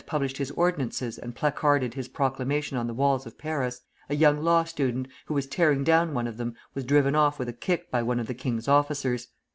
published his ordinances and placarded his proclamation on the walls of Paris, a young law student, who was tearing down one of them, was driven off with a kick by one of the king's officers.